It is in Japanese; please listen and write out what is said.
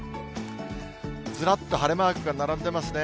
ずらっと晴れマークが並んでいますね。